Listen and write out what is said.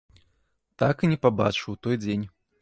Так і не пабачыў у той дзень.